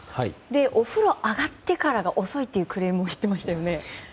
お風呂を上がってからが遅いというクレームを言っていましたよね。